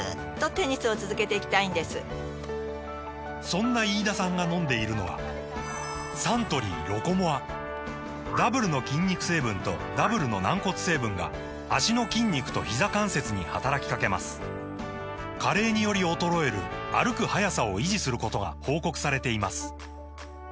そんな飯田さんが飲んでいるのはサントリー「ロコモア」ダブルの筋肉成分とダブルの軟骨成分が脚の筋肉とひざ関節に働きかけます加齢により衰える歩く速さを維持することが報告されています